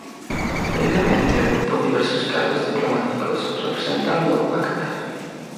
Previamente ocupó diversos cargos diplomáticos representando a Catar.